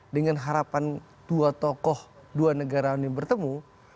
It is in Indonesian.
dengan harapan dua tokoh dua negara ini bertemu